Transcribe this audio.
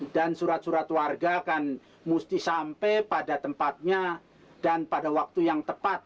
dan surat surat warga kan mesti sampai pada tempatnya dan pada waktu yang tepat